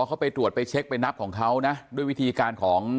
เขาไปตรวจไปเช็คไปนับของเขานะด้วยวิธีการของ